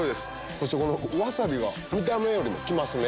そしてこのワサビが見た目よりもきますね。